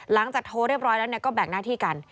หลังจากโทรเรียบร้อยแล้วก็แบ่งหน้าที่กัน